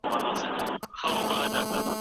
کوم سړی ژر د ښځو په منګولو کي لویږي؟